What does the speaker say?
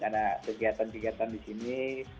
ada kegiatan kegiatan di sini